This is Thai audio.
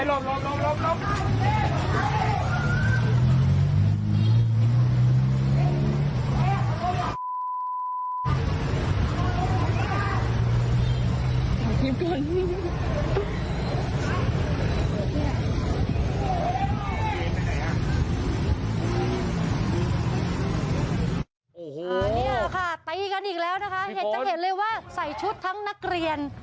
นี่ค่ะตีกันอีกแล้วนะคะเห็นจะเห็นเลยว่าใส่ชุดทั้งนักเรียน